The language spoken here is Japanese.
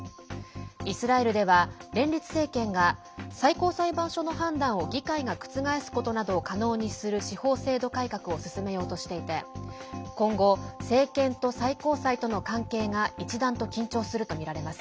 イスラエルでは連立政権が最高裁判所の判断を議会が覆すことなどを可能にする司法制度改革を進めようとしていて今後、政権と最高裁との関係が一段と緊張するとみられます。